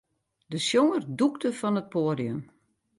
De sjonger dûkte fan it poadium.